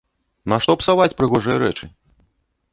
Нашто псаваць прыгожыя рэчы!